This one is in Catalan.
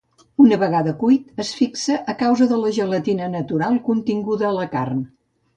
Una vegada cuit, es fixa a causa de la gelatina natural continguda a la carn.